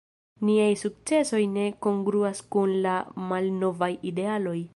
Niaj sukcesoj ne kongruas kun la malnovaj idealoj.